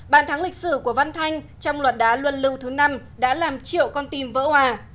bàn thắng lịch sử của văn thanh trong luật đá luân lưu thứ năm đã làm triệu con tim vỡ hòa